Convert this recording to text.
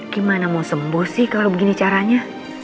gimana mau sembuh sih kalau begini caranya